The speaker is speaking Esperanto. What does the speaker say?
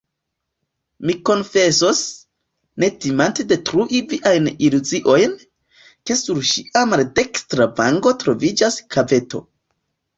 Mi konfesos, ne timante detrui viajn iluziojn, ke sur ŝia maldekstra vango troviĝis kaveto.